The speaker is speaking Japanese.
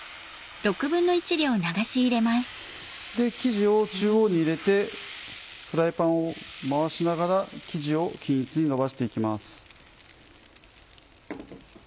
生地を中央に入れてフライパンを回しながら生地を均一にのばして行きます。